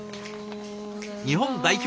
日本代表